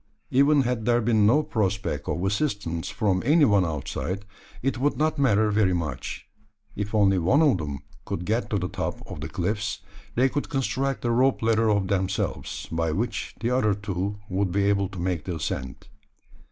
Even had there been no prospect of assistance from any one outside, it would not matter very much. If only one of them could get to the top of the cliffs, they could construct a rope ladder of themselves by which the other two would be able to make the ascent.